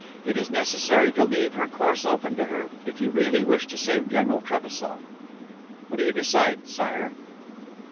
It is necessary to leave her course open to her if you really wish to save General Trebassof. What do you decide, Sire?"